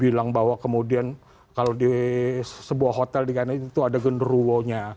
bilang bahwa kemudian kalau di sebuah hotel di kanan itu ada genderuwonya